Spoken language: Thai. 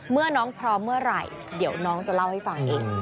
เมื่อน้องพร้อมเมื่อไหร่เดี๋ยวน้องจะเล่าให้ฟังเอง